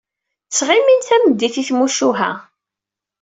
Ttɣimin tameddit i tmucuha.